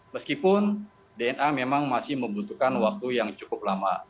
meskipun dna memang masih membutuhkan waktu yang cukup lama